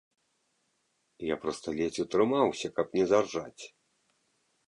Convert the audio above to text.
Я проста ледзь утрымаўся, каб не заржаць.